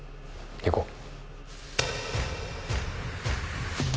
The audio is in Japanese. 行こう。